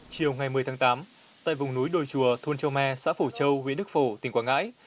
chiều ngày một mươi tháng tám tại vùng núi đồi chùa thôn châu me xã phổ châu huyện đức phổ tỉnh quảng ngãi